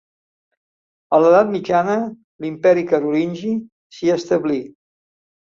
A l'Edat Mitjana, l'Imperi carolingi s'hi establí